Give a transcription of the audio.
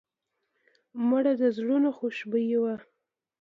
مړه د زړونو خوشبويي وه